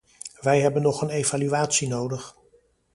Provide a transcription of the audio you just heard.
Wij hebben nog een evaluatie nodig.